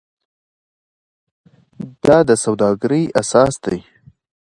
دا د سوداګرۍ اساس دی.